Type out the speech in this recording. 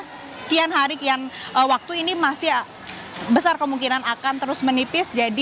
sekian hari kian waktu ini masih besar kemungkinan akan terus menipis